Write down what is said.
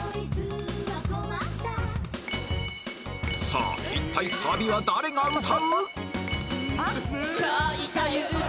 さあ一体サビは誰が歌う？